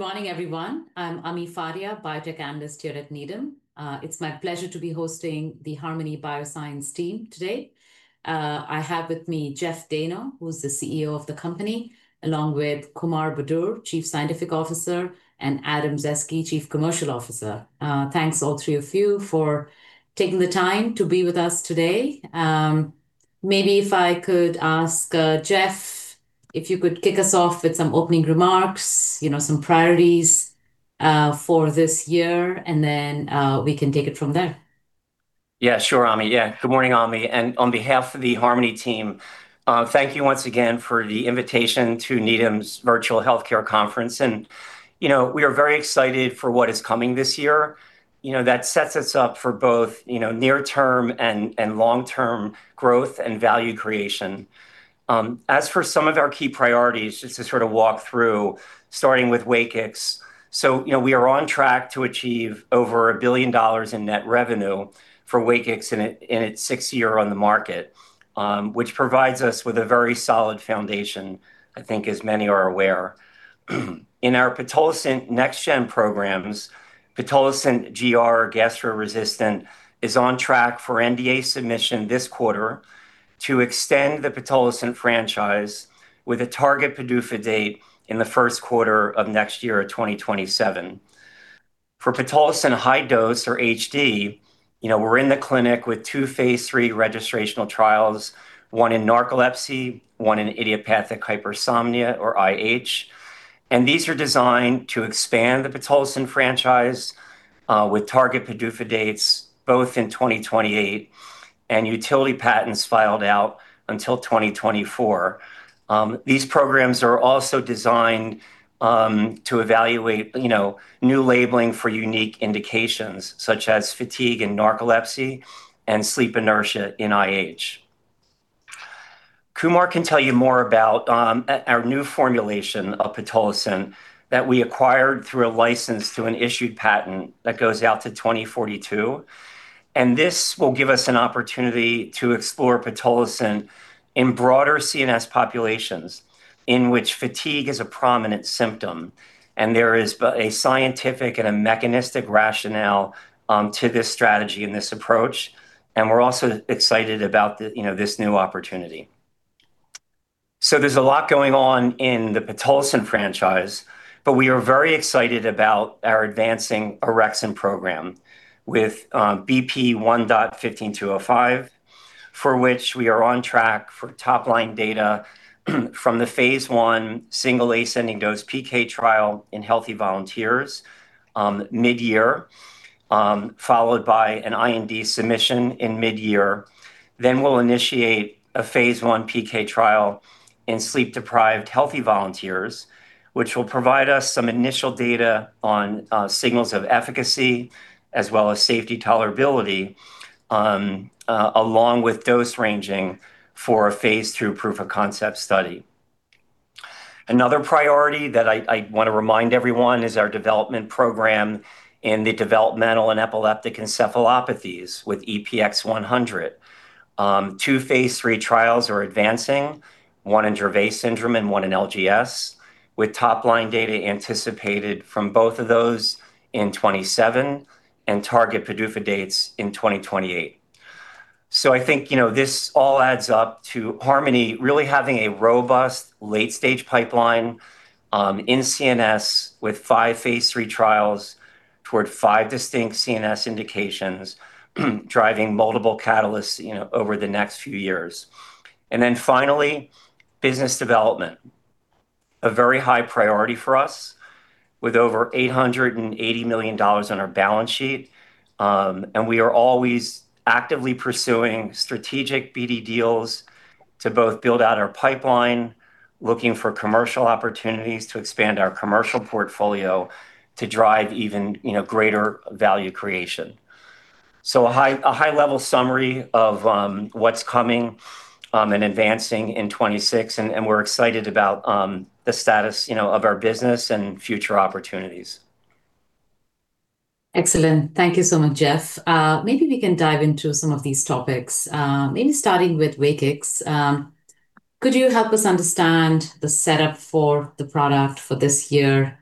Good morning, everyone. I'm Ami Fadia, Biotech Analyst here at Needham. It's my pleasure to be hosting the Harmony Biosciences team today. I have with me Jeffrey Dayno, who's the CEO of the company, along with Kumar Budur, Chief Scientific Officer, and Adam Zaeske, Chief Commercial Officer. Thanks, all three of you, for taking the time to be with us today. Maybe if I could ask Jeff if you could kick us off with some opening remarks, some priorities for this year, and then we can take it from there. Yeah. Sure, Ami. Yeah. Good morning, Ami, and on behalf of the Harmony team, thank you once again for the invitation to Needham's Virtual Healthcare Conference. We are very excited for what is coming this year. That sets us up for both near-term and long-term growth and value creation. As for some of our key priorities, just to sort of walk through, starting with WAKIX. We are on track to achieve over $1 billion in net revenue for WAKIX in its sixth year on the market, which provides us with a very solid foundation, I think as many are aware. In our pitolisant next-gen programs, Pitolisant GR, gastroresistant, is on track for NDA submission this quarter to extend the pitolisant franchise with a target PDUFA date in the first quarter of next year of 2027. For pitolisant high dose, or HD, we're in the clinic with two phase III registrational trials, one in narcolepsy, one in idiopathic hypersomnia, or IH. These are designed to expand the pitolisant franchise with target PDUFA dates both in 2028 and utility patents filed out until 2024. These programs are also designed to evaluate new labeling for unique indications, such as fatigue in narcolepsy and sleep inertia in IH. Kumar can tell you more about our new formulation of pitolisant that we acquired through a license through an issued patent that goes out to 2042. This will give us an opportunity to explore pitolisant in broader CNS populations in which fatigue is a prominent symptom. There is a scientific and a mechanistic rationale to this strategy and this approach. We're also excited about this new opportunity. There's a lot going on in the pitolisant franchise, but we are very excited about our advancing orexin program with BP1.15205, for which we are on track for top-line data from the phase I single-ascending-dose PK trial in healthy volunteers mid-year, followed by an IND submission in mid-year. We'll initiate a phase I PK trial in sleep-deprived healthy volunteers, which will provide us some initial data on signals of efficacy as well as safety, tolerability, along with dose ranging for a phase II proof-of-concept study. Another priority that I want to remind everyone is our development program in the developmental and epileptic encephalopathies with EPX-100. Two phase III trials are advancing, one in Dravet syndrome and one in LGS, with top-line data anticipated from both of those in 2027 and target PDUFA dates in 2028. I think this all adds up to Harmony really having a robust late-stage pipeline in CNS with five phase III trials toward five distinct CNS indications driving multiple catalysts over the next few years. Finally, Business Development, a very high priority for us with over $880 million on our balance sheet. We are always actively pursuing strategic BD deals to both build out our pipeline, looking for commercial opportunities to expand our commercial portfolio to drive even greater value creation. A high-level summary of what's coming and advancing in 2026, and we're excited about the status of our business and future opportunities. Excellent. Thank you so much, Jeffrey. Maybe we can dive into some of these topics, maybe starting with WAKIX. Could you help us understand the setup for the product for this year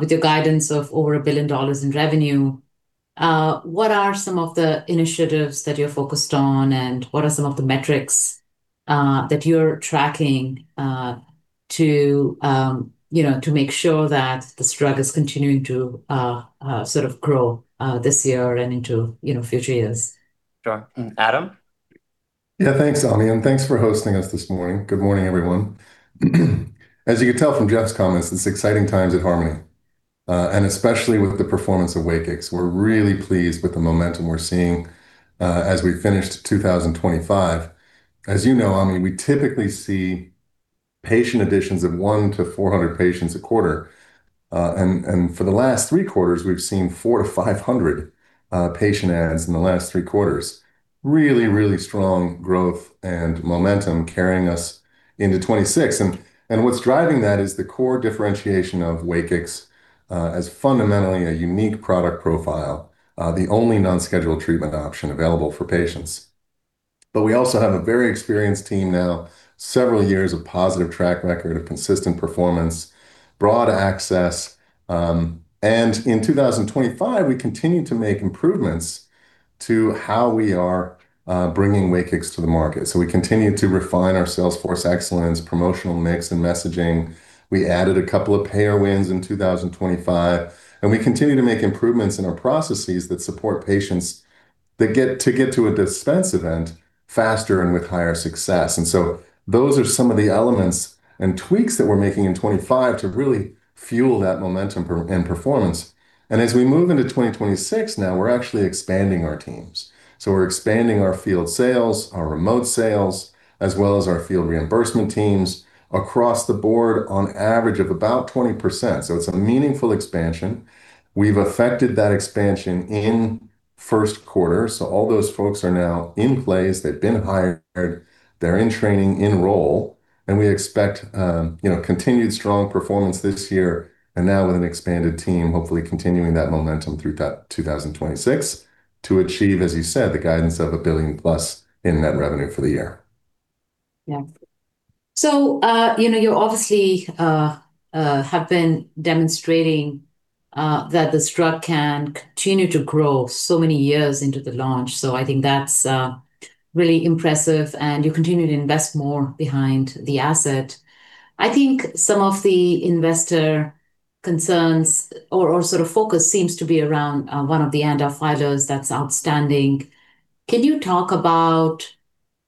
with your guidance of over $1 billion in revenue? What are some of the initiatives that you're focused on, and what are some of the metrics that you're tracking to make sure that this drug is continuing to sort of grow this year and into future years? Sure. Adam? Yeah, thanks, Ami, and thanks for hosting us this morning. Good morning, everyone. As you can tell from Jeff's comments, it's exciting times at Harmony, and especially with the performance of WAKIX. We're really pleased with the momentum we're seeing as we finished 2025. As you know, Ami, we typically see patient additions of 100-400 patients a quarter. For the last three quarters, we've seen 400-500 patient adds in the last three quarters, really, really strong growth and momentum carrying us into 2026. What's driving that is the core differentiation of WAKIX as fundamentally a unique product profile, the only non-scheduled treatment option available for patients. We also have a very experienced team now, several years of positive track record of consistent performance, broad access. In 2025, we continued to make improvements to how we are bringing WAKIX to the market. We continued to refine our sales force excellence, promotional mix, and messaging. We added a couple of payer wins in 2025, and we continue to make improvements in our processes that support patients to get to a dispense event faster and with higher success. Those are some of the elements and tweaks that we're making in 2025 to really fuel that momentum and performance. As we move into 2026, now we're actually expanding our teams. We're expanding our field sales, our remote sales, as well as our field reimbursement teams across the board on average of about 20%. It's a meaningful expansion. We've effected that expansion in first quarter, so all those folks are now in place. They've been hired, they're in training, in role, and we expect continued strong performance this year and now with an expanded team, hopefully continuing that momentum through 2026 to achieve, as you said, the guidance of a billion-plus in net revenue for the year. Yeah. You obviously have been demonstrating that this drug can continue to grow so many years into the launch. I think that's really impressive. You continue to invest more behind the asset. I think some of the investor concerns or sort of focus seems to be around one of the ANDA filers that's outstanding. Can you talk about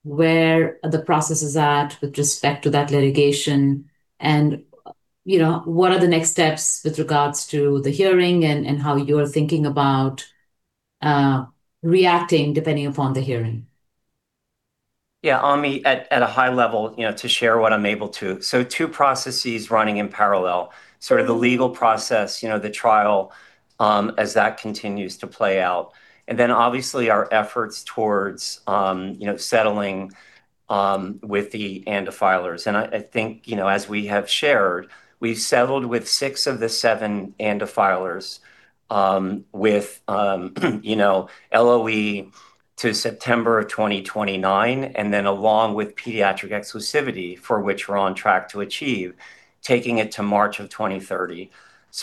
where the process is at with respect to that litigation and what are the next steps with regards to the hearing and how you're thinking about reacting depending upon the hearing? Yeah, Ami, at a high level to share what I'm able to. Two processes running in parallel, sort of the legal process, the trial, as that continues to play out, and obviously our efforts towards settling with the ANDA filers. I think, as we have shared, we've settled with six of the seven ANDA filers with LOE to September of 2029, and then along with pediatric exclusivity, for which we're on track to achieve, taking it to March of 2030.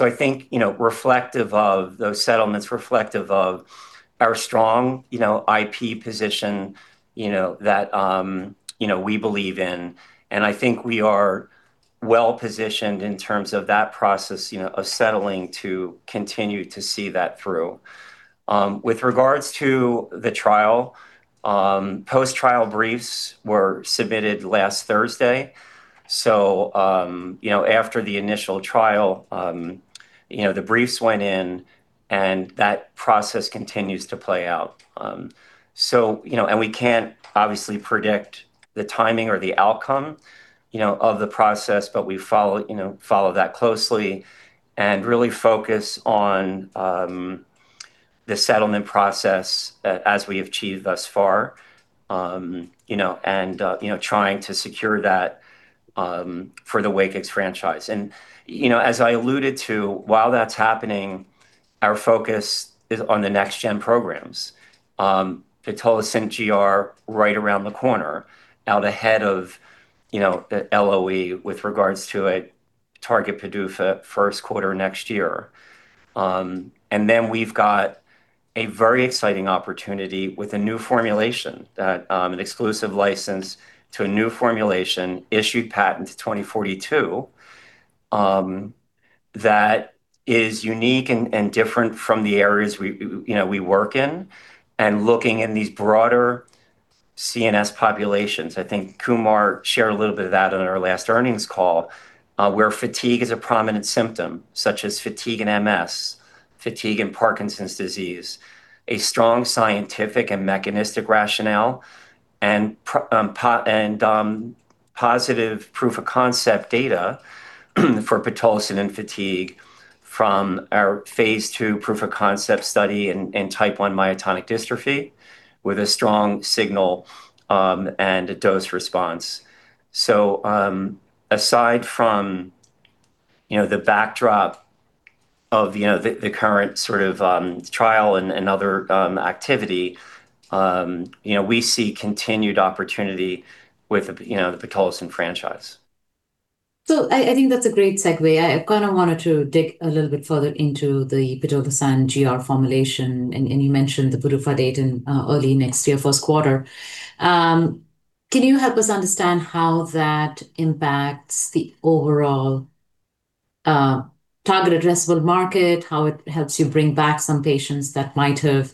I think reflective of those settlements, reflective of our strong IP position that we believe in, and I think we are well positioned in terms of that process of settling to continue to see that through. With regards to the trial, post-trial briefs were submitted last Thursday. After the initial trial, the briefs went in, and that process continues to play out. We can't obviously predict the timing or the outcome of the process, but we follow that closely and really focus on the settlement process as we have achieved thus far, and trying to secure that for the WAKIX franchise. As I alluded to, while that's happening, our focus is on the next-gen programs. Pitolisant GR right around the corner, out ahead of the LOE with regards to a target PDUFA first quarter next year. We've got a very exciting opportunity with a new formulation, an exclusive license to a new formulation, issued patent to 2042, that is unique and different from the areas we work in. Looking in these broader CNS populations, I think Kumar shared a little bit of that on our last earnings call, where fatigue is a prominent symptom, such as fatigue in MS, fatigue in Parkinson's disease, a strong scientific and mechanistic rationale, and positive proof-of-concept data for pitolisant and fatigue from our phase II proof-of-concept study in type 1 myotonic dystrophy with a strong signal and a dose response. Aside from the backdrop of the current sort of trial and other activity, we see continued opportunity with the pitolisant franchise. I think that's a great segue. I kind of wanted to dig a little bit further into the Pitolisant GR formulation, and you mentioned the PDUFA date in early next year, first quarter. Can you help us understand how that impacts the overall target addressable market, how it helps you bring back some patients that might have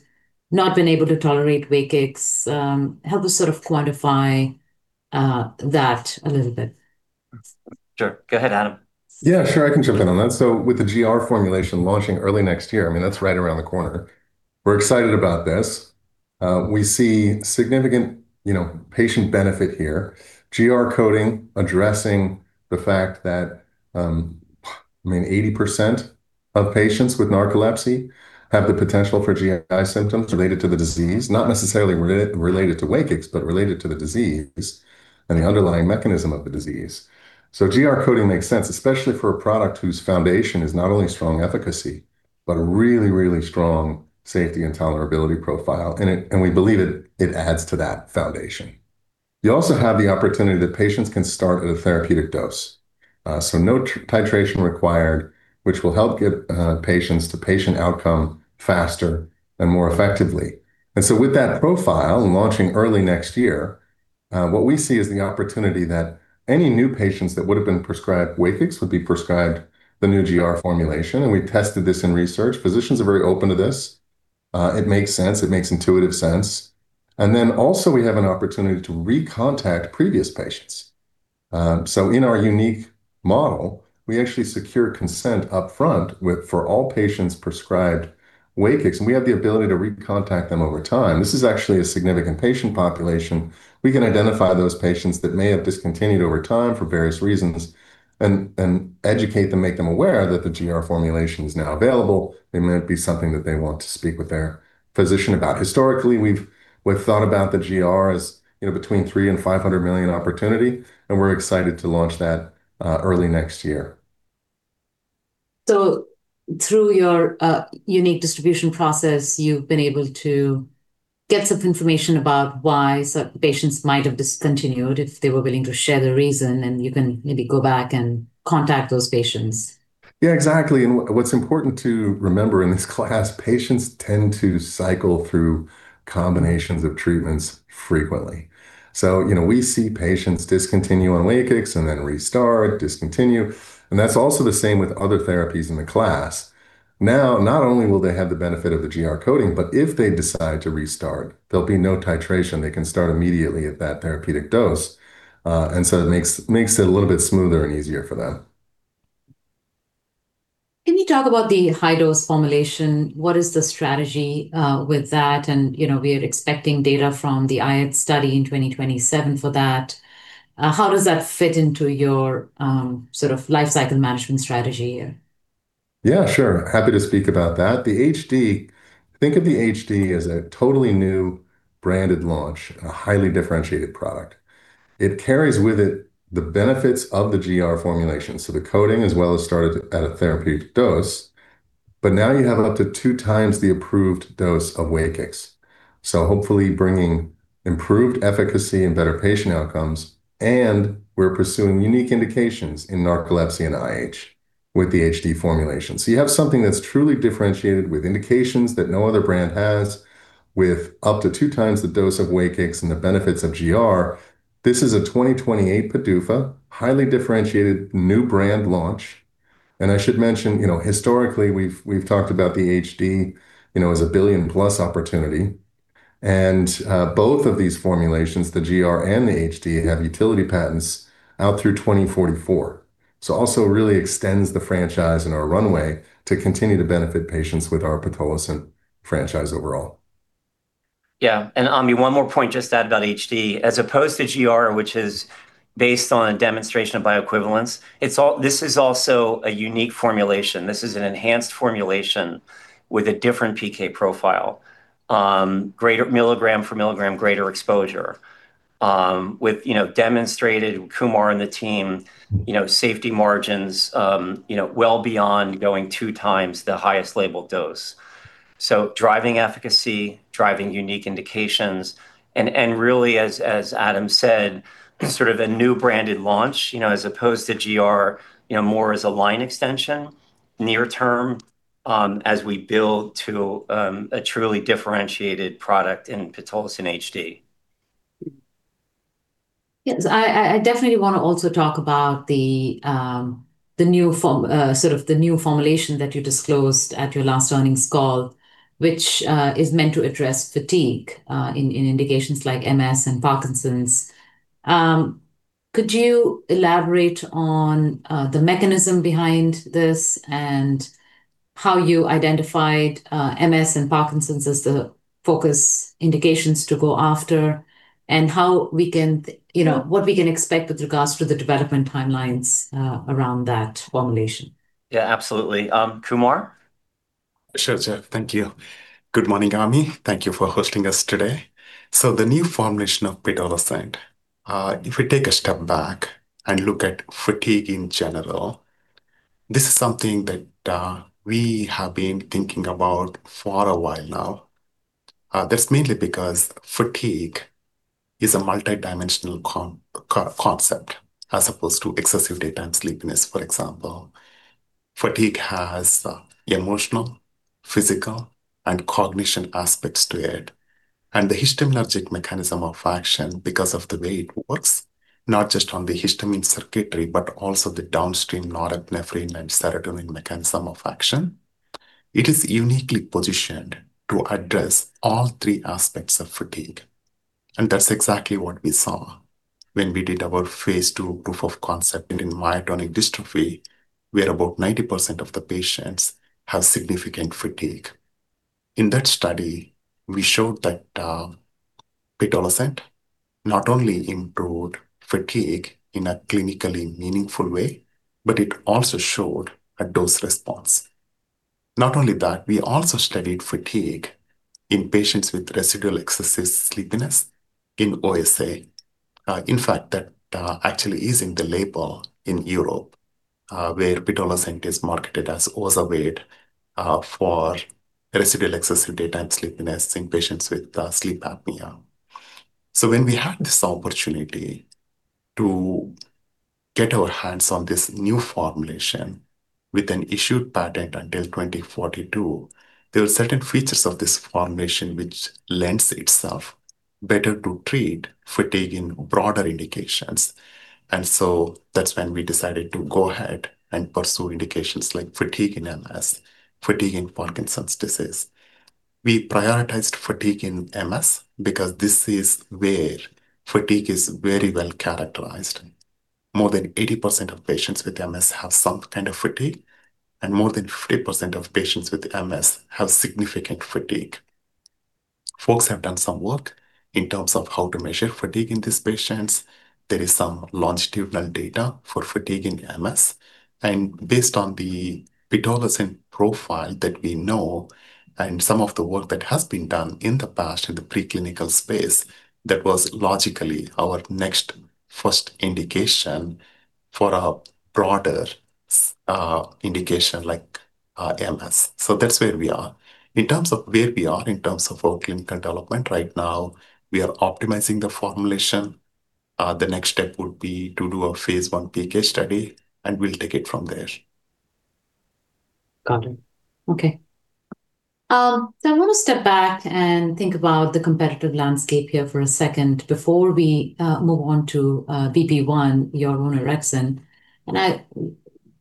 not been able to tolerate WAKIX? Help us sort of quantify that a little bit. Sure. Go ahead, Adam. Yeah, sure, I can jump in on that. With the GR formulation launching early next year, I mean, that's right around the corner. We're excited about this. We see significant patient benefit here, GR coating addressing the fact that, I mean, 80% of patients with narcolepsy have the potential for GI symptoms related to the disease, not necessarily related to WAKIX, but related to the disease and the underlying mechanism of the disease. GR coating makes sense, especially for a product whose foundation is not only strong efficacy but a really, really strong safety and tolerability profile, and we believe it adds to that foundation. You also have the opportunity that patients can start at a therapeutic dose. No titration required, which will help get patients to patient outcome faster and more effectively. With that profile and launching early next year, what we see is the opportunity that any new patients that would've been prescribed WAKIX would be prescribed the new GR formulation, and we tested this in research. Physicians are very open to this. It makes sense. It makes intuitive sense. Also we have an opportunity to recontact previous patients. In our unique model, we actually secure consent upfront for all patients prescribed WAKIX, and we have the ability to recontact them over time. This is actually a significant patient population. We can identify those patients that may have discontinued over time for various reasons and educate them, make them aware that the GR formulation is now available. It might be something that they want to speak with their physician about. Historically, we've thought about the GR as between $3 million and $500 million opportunity, and we're excited to launch that early next year. Through your unique distribution process, you've been able to get some information about why certain patients might have discontinued if they were willing to share the reason, and you can maybe go back and contact those patients. Yeah, exactly. What's important to remember in this class, patients tend to cycle through combinations of treatments frequently. We see patients discontinue on WAKIX and then restart, discontinue, and that's also the same with other therapies in the class. Now, not only will they have the benefit of the GR coating, but if they decide to restart, there'll be no titration. They can start immediately at that therapeutic dose. It makes it a little bit smoother and easier for them. Can you talk about the high-dose formulation? What is the strategy with that? We are expecting data from the IH study in 2027 for that. How does that fit into your sort of life cycle management strategy here? Yeah, sure. Happy to speak about that. The HD, think of the HD as a totally new branded launch and a highly differentiated product. It carries with it the benefits of the GR formulation, so the coating, as well as started at a therapeutic dose. Now you have up to 2x the approved dose of WAKIX, hopefully bringing improved efficacy and better patient outcomes, and we're pursuing unique indications in narcolepsy and IH with the HD formulation. You have something that's truly differentiated with indications that no other brand has, with up to 2x the dose of WAKIX and the benefits of GR. This is a 2028 PDUFA, highly differentiated new brand launch. I should mention, historically, we've talked about the HD as a billion-plus opportunity. Both of these formulations, the GR and the HD, have utility patents out through 2044. Also really extends the franchise and our runway to continue to benefit patients with our pitolisant franchise overall. Yeah. Ami, one more point just to add about HD. As opposed to GR, which is based on a demonstration of bioequivalence, this is also a unique formulation. This is an enhanced formulation with a different PK profile. Milligram for milligram, greater exposure, with demonstrated, Kumar and the team, safety margins well beyond going two times the highest labeled dose. Driving efficacy, driving unique indications, and really as Adam said, sort of a new branded launch as opposed to GR more as a line extension near term, as we build to a truly differentiated product in Pitolisant HD. Yes. I definitely wanna also talk about the new formulation that you disclosed at your last earnings call, which is meant to address fatigue in indications like MS and Parkinson's. Could you elaborate on the mechanism behind this and how you identified MS and Parkinson's as the focus indications to go after, and what we can expect with regards to the development timelines around that formulation? Yeah, absolutely. Kumar? Sure, Jeff. Thank you. Good morning, Ami. Thank you for hosting us today. The new formulation of pitolisant, if we take a step back and look at fatigue in general, this is something that we have been thinking about for a while now. That's mainly because fatigue is a multidimensional concept as opposed to excessive daytime sleepiness, for example. Fatigue has emotional, physical, and cognition aspects to it. The histaminergic mechanism of action, because of the way it works, not just on the histamine circuitry, but also the downstream norepinephrine and serotonin mechanism of action, it is uniquely positioned to address all three aspects of fatigue. That's exactly what we saw when we did our phase II proof of concept in myotonic dystrophy, where about 90% of the patients have significant fatigue. In that study, we showed that pitolisant not only improved fatigue in a clinically meaningful way, but it also showed a dose response. Not only that, we also studied fatigue in patients with residual excessive sleepiness in OSA. In fact, that actually is in the label in Europe, where pitolisant is marketed as WAKIX for residual excessive daytime sleepiness in patients with sleep apnea. When we had this opportunity to get our hands on this new formulation with an issued patent until 2042, there were certain features of this formulation which lends itself better to treat fatigue in broader indications. That's when we decided to go ahead and pursue indications like fatigue in MS, fatigue in Parkinson's disease. We prioritized fatigue in MS because this is where fatigue is very well characterized. More than 80% of patients with MS have some kind of fatigue, and more than 50% of patients with MS have significant fatigue. Folks have done some work in terms of how to measure fatigue in these patients. There is some longitudinal data for fatigue in MS, and based on the pitolisant profile that we know and some of the work that has been done in the past in the preclinical space, that was logically our next first indication for a broader indication like MS. That's where we are. In terms of where we are in terms of our clinical development, right now, we are optimizing the formulation. The next step would be to do a phase I PK study, and we'll take it from there. Got it. Okay. I want to step back and think about the competitive landscape here for a second before we move on to BP1, your orexin. I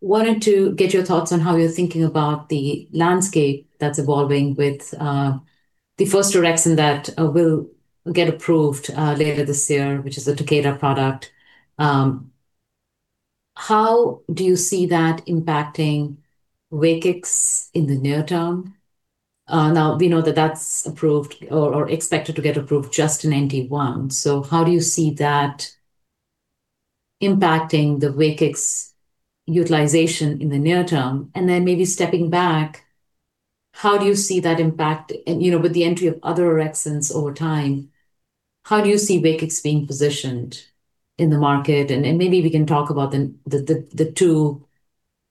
wanted to get your thoughts on how you're thinking about the landscape that's evolving with the first orexin that will get approved later this year, which is a Takeda product. How do you see that impacting WAKIX in the near term? Now, we know that that's approved or expected to get approved just in NT1, so how do you see that impacting the WAKIX utilization in the near term? Maybe stepping back, how do you see that impact, with the entry of other orexins over time, how do you see WAKIX being positioned in the market? Maybe we can talk about the two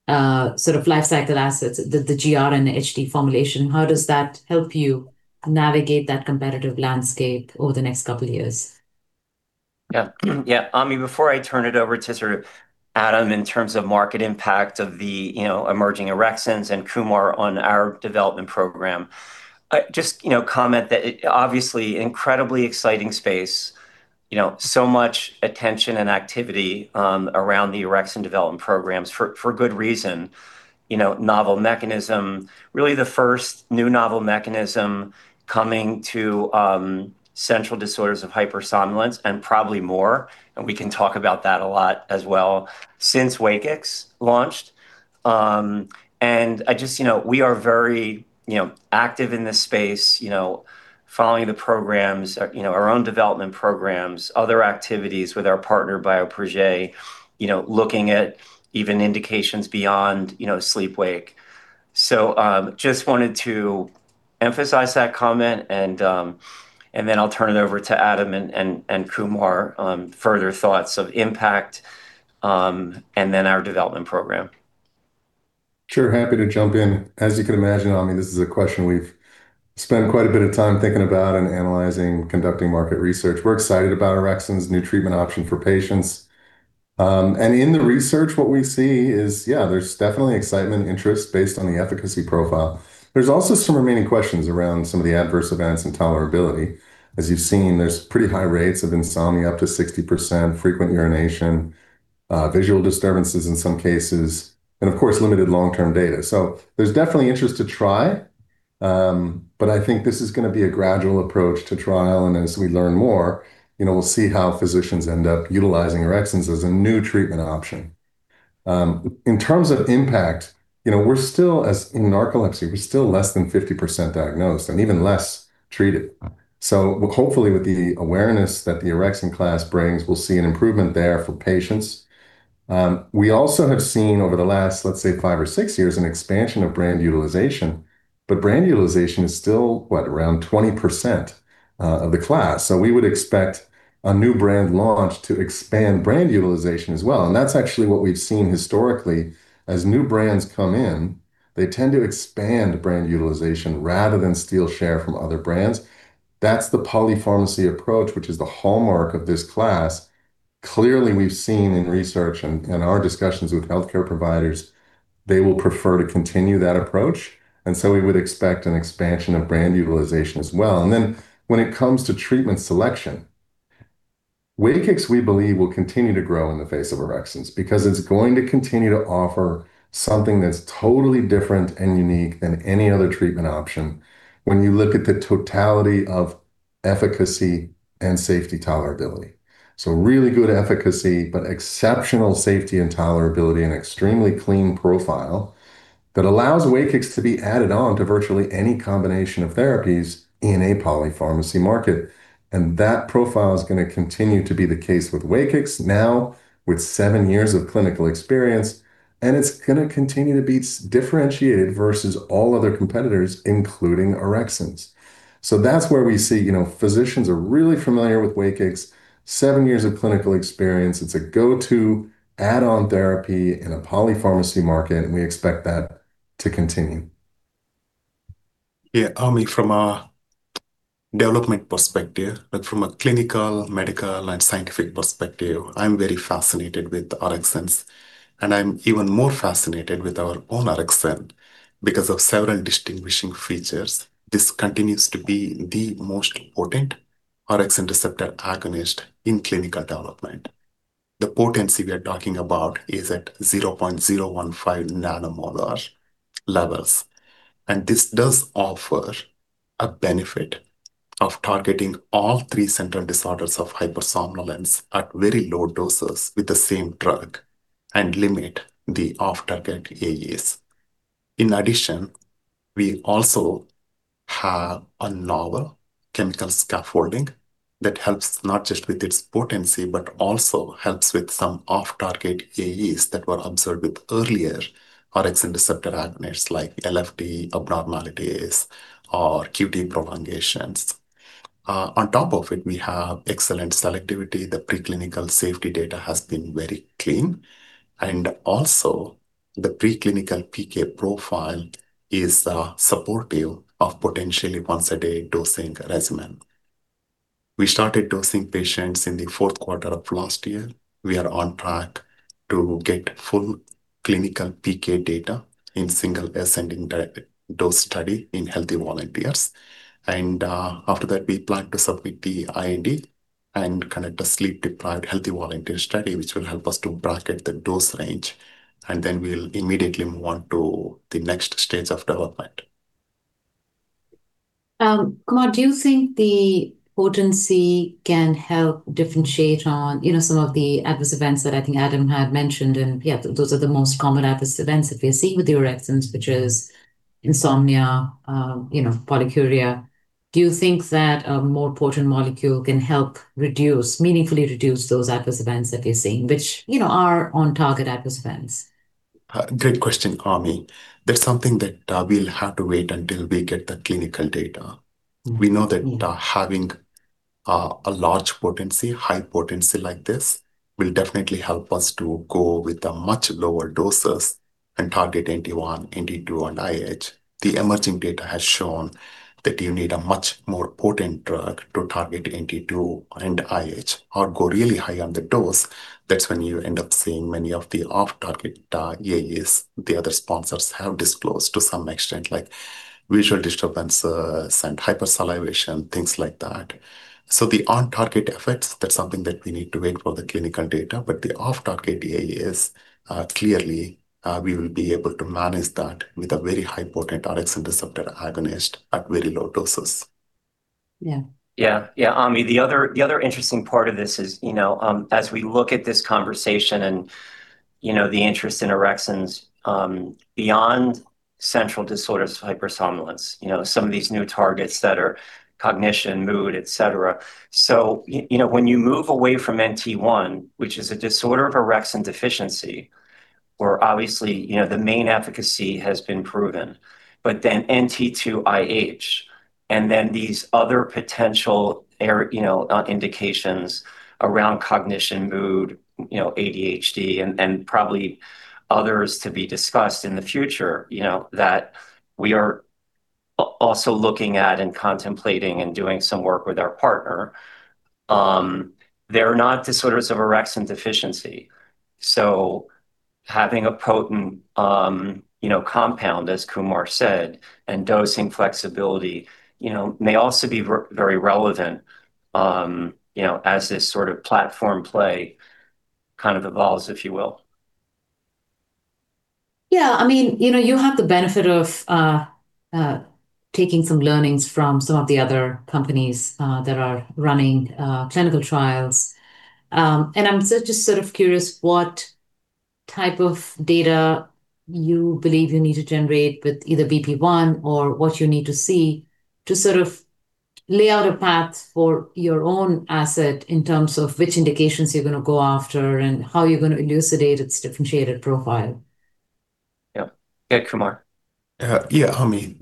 sort of life cycle assets, the GR and the HD formulation. How does that help you navigate that competitive landscape over the next couple of years? Yeah. Yeah. Ami, before I turn it over to sort of Adam in terms of market impact of the emerging orexins and Kumar on our development program, just comment that, obviously, an incredibly exciting space. So much attention and activity around the orexin development programs for good reason. Novel mechanism, really the first new novel mechanism coming to central disorders of hypersomnolence and probably more, and we can talk about that a lot as well, since WAKIX launched. We are very active in this space, following the programs, our own development programs, other activities with our partner, Bioprojet, looking at even indications beyond sleep-wake. I just wanted to emphasize that comment, and then I'll turn it over to Adam and Kumar on further thoughts of impact, and then our development program. Sure. Happy to jump in. As you can imagine, Ami, this is a question we've spent quite a bit of time thinking about and analyzing, conducting market research. We're excited about orexins, new treatment option for patients. In the research, what we see is, yeah, there's definitely excitement, interest based on the efficacy profile. There's also some remaining questions around some of the adverse events and tolerability. As you've seen, there's pretty high rates of insomnia, up to 60%, frequent urination, visual disturbances in some cases, and of course, limited long-term data. There's definitely interest to try, but I think this is going to be a gradual approach to trial, and as we learn more, we'll see how physicians end up utilizing orexins as a new treatment option. In terms of impact, in narcolepsy, we're still less than 50% diagnosed and even less treated. Hopefully with the awareness that the orexin class brings, we'll see an improvement there for patients. We also have seen over the last, let's say, five or six years, an expansion of brand utilization, but brand utilization is still, what? Around 20% of the class. We would expect a new brand launch to expand brand utilization as well, and that's actually what we've seen historically. As new brands come in, they tend to expand brand utilization rather than steal share from other brands. That's the polypharmacy approach, which is the hallmark of this class. Clearly, we've seen in research and our discussions with healthcare providers, they will prefer to continue that approach, and so we would expect an expansion of brand utilization as well. When it comes to treatment selection, WAKIX, we believe, will continue to grow in the face of orexins because it's going to continue to offer something that's totally different and unique than any other treatment option when you look at the totality of efficacy and safety tolerability. Really good efficacy, but exceptional safety and tolerability and extremely clean profile. That allows WAKIX to be added on to virtually any combination of therapies in a polypharmacy market, and that profile is going to continue to be the case with WAKIX now with seven years of clinical experience, and it's going to continue to be differentiated versus all other competitors, including orexins. That's where we see physicians are really familiar with WAKIX, seven years of clinical experience. It's a go-to add-on therapy in a polypharmacy market, and we expect that to continue. Yeah, Ami, from a development perspective, but from a clinical, medical, and scientific perspective, I'm very fascinated with the orexins, and I'm even more fascinated with our own orexin because of several distinguishing features. This continues to be the most potent orexin receptor agonist in clinical development. The potency we are talking about is at 0.015 nanomolar levels, and this does offer a benefit of targeting all three central disorders of hypersomnolence at very low doses with the same drug and limit the off-target AEs. In addition, we also have a novel chemical scaffolding that helps not just with its potency, but also helps with some off-target AEs that were observed with earlier orexin receptor agonists, like LFT abnormalities or QT prolongations. On top of it, we have excellent selectivity. The preclinical safety data has been very clean, and also the preclinical PK profile is supportive of potentially once-a-day dosing regimen. We started dosing patients in the fourth quarter of last year. We are on track to get full clinical PK data in single ascending dose study in healthy volunteers. After that, we plan to submit the IND and conduct a sleep-deprived healthy volunteer study, which will help us to bracket the dose range, and then we'll immediately move on to the next stage of development. Kumar, do you think the potency can help differentiate on some of the adverse events that I think Adam had mentioned? Yeah, those are the most common adverse events that we are seeing with the orexins, which is insomnia, polyuria. Do you think that a more potent molecule can help meaningfully reduce those adverse events that we're seeing, which are on-target adverse events? Great question, Ami. That's something that we'll have to wait until we get the clinical data. We know that having a large potency, high potency like this will definitely help us to go with a much lower doses and target NT1, NT2, and IH. The emerging data has shown that you need a much more potent drug to target NT2 and IH, or go really high on the dose. That's when you end up seeing many of the off-target AEs the other sponsors have disclosed to some extent, like visual disturbance, and hypersalivation, things like that. The on-target effects, that's something that we need to wait for the clinical data, but the off-target AEs, clearly, we will be able to manage that with a very high potent orexin receptor agonist at very low doses. Yeah, Ami, the other interesting part of this is, as we look at this conversation and the interest in orexins, beyond central disorders of hypersomnolence, some of these new targets that are cognition, mood, et cetera. When you move away from NT1, which is a disorder of orexin deficiency, where obviously, the main efficacy has been proven, but then NT2, IH, and then these other potential indications around cognition, mood, ADHD, and probably others to be discussed in the future, that we are also looking at and contemplating and doing some work with our partner. They're not disorders of orexin deficiency, so having a potent compound, as Kumar said, and dosing flexibility may also be very relevant as this sort of platform play kind of evolves, if you will. Yeah, you have the benefit of taking some learnings from some of the other companies that are running clinical trials. I'm just sort of curious what type of data you believe you need to generate with either BP1 or what you need to see to sort of lay out a path for your own asset in terms of which indications you're going to go after and how you're going to elucidate its differentiated profile? Yeah, Kumar. Yeah, Ami.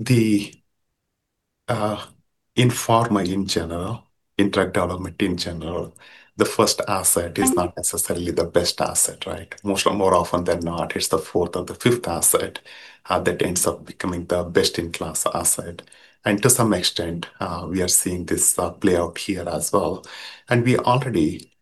In pharma in general, in drug development in general, the first asset is not necessarily the best asset, right? More often than not, it's the fourth or the fifth asset that ends up becoming the best-in-class asset. To some extent, we are seeing this play out here as well, and we already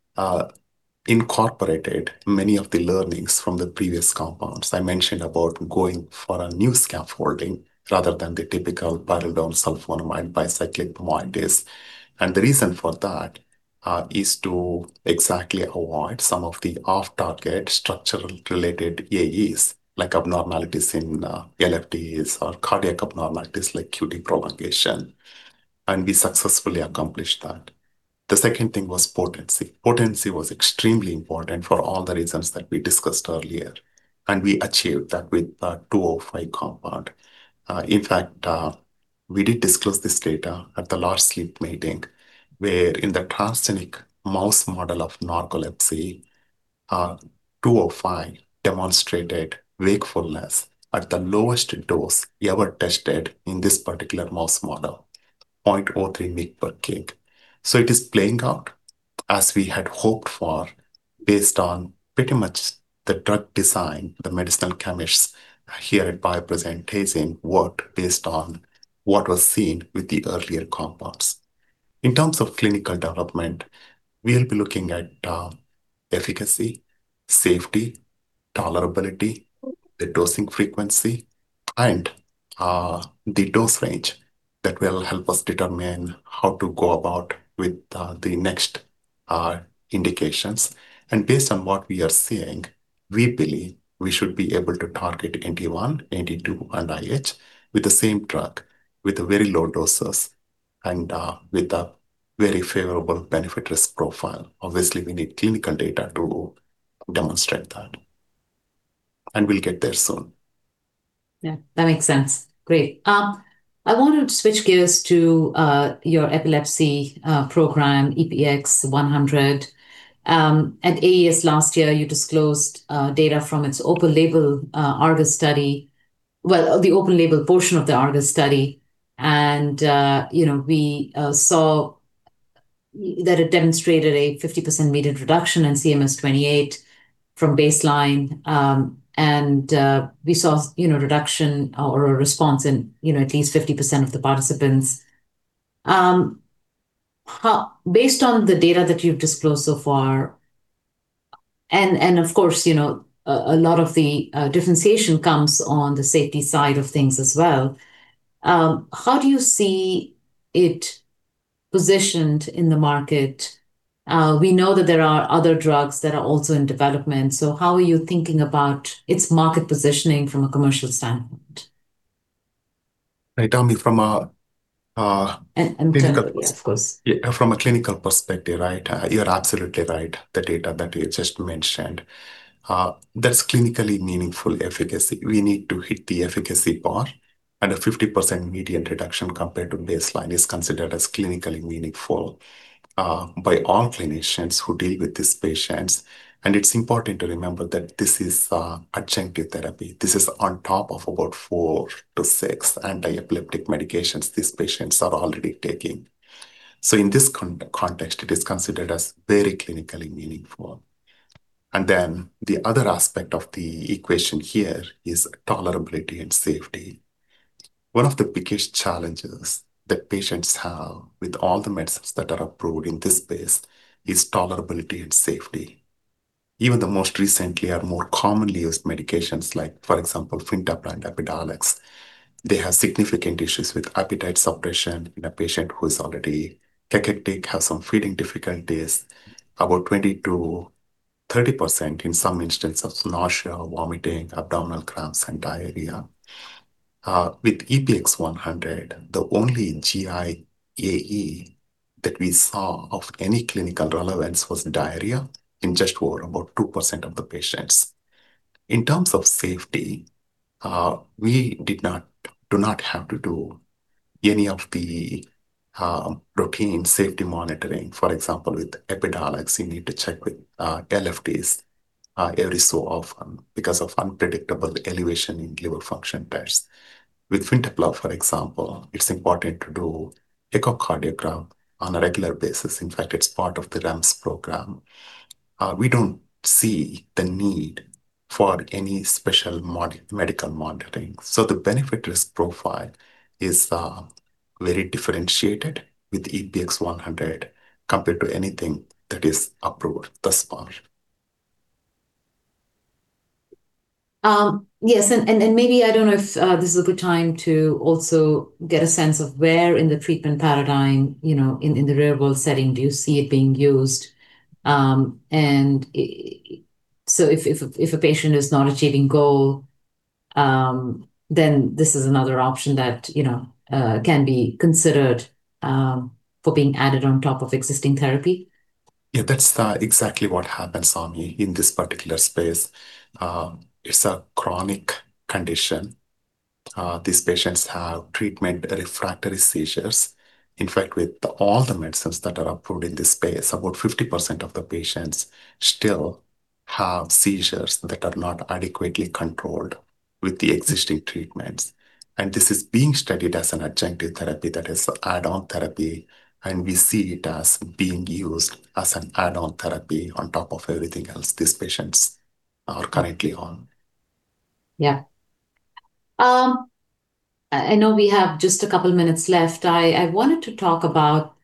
incorporated many of the learnings from the previous compounds. I mentioned about going for a new scaffolding rather than the typical pyrrolidine sulfonamide bicyclic. The reason for that is to exactly avoid some of the off-target structural-related AEs, like abnormalities in LFTs or cardiac abnormalities like QT prolongation, and we successfully accomplished that. The second thing was potency. Potency was extremely important for all the reasons that we discussed earlier, and we achieved that with the 205 compound. In fact, we did disclose this data at the last Sleep meeting, where in the transgenic mouse model of narcolepsy, 205 demonstrated wakefulness at the lowest dose we ever tested in this particular mouse model, 0.03 mg per kg. It is playing out as we had hoped for, based on pretty much the drug design. The medicinal chemists here at Bioprojet worked based on what was seen with the earlier compounds. In terms of clinical development, we'll be looking at efficacy, safety, tolerability, the dosing frequency, and the dose range. That will help us determine how to go about with the next indications. Based on what we are seeing, we believe we should be able to target NT1, NT2, and IH with the same drug with very low doses and with a very favorable benefit-risk profile. Obviously, we need clinical data to demonstrate that. We'll get there soon. Yeah, that makes sense. Great. I wanted to switch gears to your epilepsy program, EPX-100. At AES last year, you disclosed data from its open-label ARGUS study, well, the open-label portion of the ARGUS study. We saw that it demonstrated a 50% median reduction in CMS-28 from baseline. We saw a reduction or a response in at least 50% of the participants. Based on the data that you've disclosed so far, and of course, a lot of the differentiation comes on the safety side of things as well, how do you see it positioned in the market? We know that there are other drugs that are also in development. How are you thinking about its market positioning from a commercial standpoint? Right, tell me from a. Clinical, yes, of course. From a clinical perspective, right? You're absolutely right, the data that we just mentioned. That's clinically meaningful efficacy. We need to hit the efficacy bar, and a 50% median reduction compared to baseline is considered as clinically meaningful by all clinicians who deal with these patients. It's important to remember that this is adjunctive therapy. This is on top of about four to six anti-epileptic medications these patients are already taking. In this context, it is considered as very clinically meaningful. The other aspect of the equation here is tolerability and safety. One of the biggest challenges that patients have with all the medicines that are approved in this space is tolerability and safety. Even the most recently or more commonly used medications like, for example, Fintepla and EPIDIOLEX, they have significant issues with appetite suppression in a patient who is already cachectic, has some feeding difficulties. About 20%-30% in some instances, nausea, vomiting, abdominal cramps, and diarrhea. With EPX-100, the only GI AE that we saw of any clinical relevance was diarrhea in just for about 2% of the patients. In terms of safety, we do not have to do any of the routine safety monitoring. For example, with EPIDIOLEX, you need to check with LFTs every so often because of unpredictable elevation in liver function tests. With Fintepla, for example, it's important to do echocardiogram on a regular basis. In fact, it's part of the REMS program. We don't see the need for any special medical monitoring. The benefit-risk profile is very differentiated with EPX-100 compared to anything that is approved thus far. Yes, maybe I don't know if this is a good time to also get a sense of where in the treatment paradigm, in the real-world setting, do you see it being used? If a patient is not achieving goal, then this is another option that can be considered for being added on top of existing therapy. Yeah, that's exactly what happens, Ami, in this particular space. It's a chronic condition. These patients have treatment-refractory seizures. In fact, with all the medicines that are approved in this space, about 50% of the patients still have seizures that are not adequately controlled with the existing treatments. This is being studied as an adjunctive therapy, that is add-on therapy, and we see it as being used as an add-on therapy on top of everything else these patients are currently on. Yeah, I know we have just a couple of minutes left. I wanted to talk about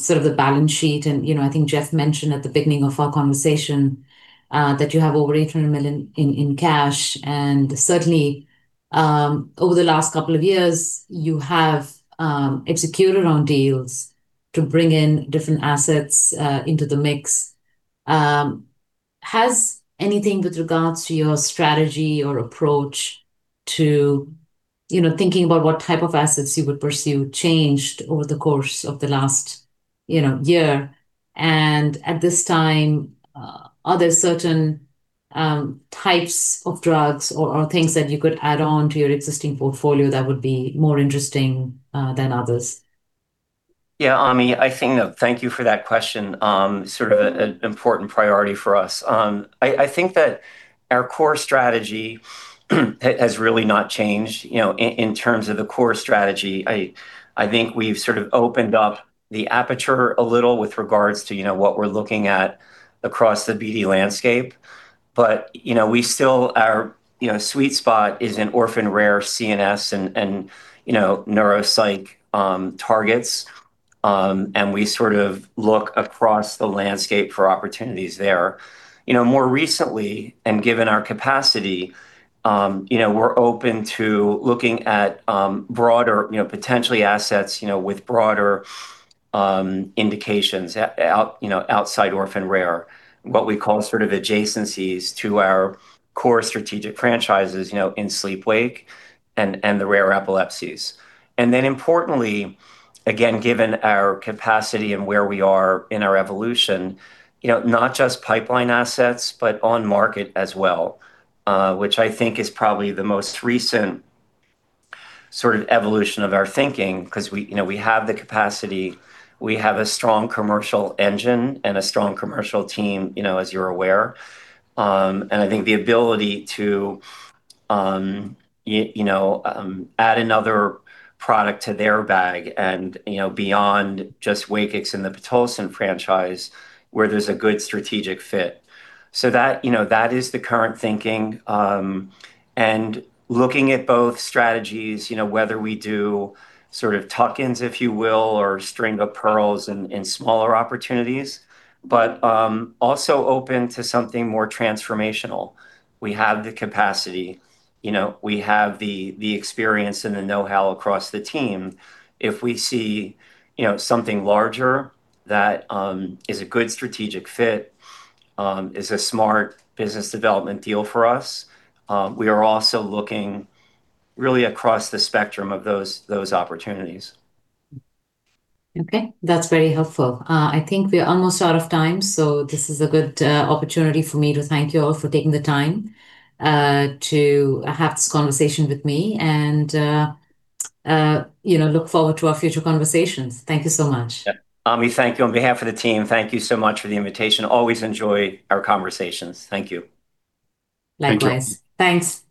sort of the balance sheet, and I think Jeff mentioned at the beginning of our conversation that you have over $800 million in cash, and certainly, over the last couple of years, you have executed on deals to bring in different assets into the mix. Has anything with regards to your strategy or approach to thinking about what type of assets you would pursue changed over the course of the last year? At this time, are there certain types of drugs or things that you could add on to your existing portfolio that would be more interesting than others? Yeah, Ami, thank you for that question, sort of an important priority for us. I think that our core strategy has really not changed. In terms of the core strategy, I think we've sort of opened up the aperture a little with regards to what we're looking at across the BD landscape. Our sweet spot is in orphan rare CNS and neuropsych targets, and we sort of look across the landscape for opportunities there. More recently, and given our capacity, we're open to looking at potentially assets with broader indications outside orphan rare, what we call sort of adjacencies to our core strategic franchises, in sleep-wake and the rare epilepsies. Importantly, again, given our capacity and where we are in our evolution, not just pipeline assets, but on market as well, which I think is probably the most recent sort of evolution of our thinking because we have the capacity, we have a strong commercial engine and a strong commercial team, as you're aware. I think the ability to add another product to their bag and beyond just WAKIX and the pitolisant franchise where there's a good strategic fit, that is the current thinking, and looking at both strategies, whether we do sort of tuck-ins, if you will, or string of pearls in smaller opportunities, but also open to something more transformational. We have the capacity, we have the experience and the know-how across the team. If we see something larger that is a good strategic fit, is a smart business development deal for us, we are also looking really across the spectrum of those opportunities. Okay. That's very helpful. I think we are almost out of time, so this is a good opportunity for me to thank you all for taking the time to have this conversation with me and look forward to our future conversations. Thank you so much. Ami, thank you. On behalf of the team, thank you so much for the invitation. Always enjoy our conversations. Thank you. Likewise. Thanks. Okay.